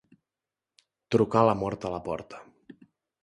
Trucar la mort a la porta.